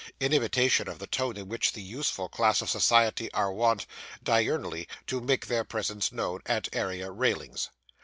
in imitation of the tone in which that useful class of society are wont, diurnally, to make their presence known at area railings.